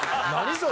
それ。